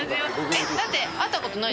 えっ？